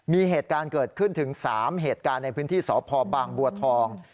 มีเหตุการณ์เกิดขึ้นถึง๓เหตุการณ์ในพื้นที่สพบางบัวทอง